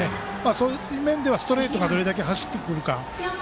そういう面ではストレートがどれだけ走ってくるか。